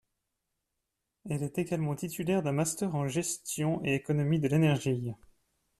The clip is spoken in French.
Elle est également titulaire d’un master en gestion et économie de l’énergie.